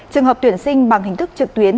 trường hợp tuyển sinh bằng hình thức trực tuyến